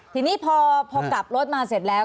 ทีนี้พอกลับรถมาเสร็จแล้ว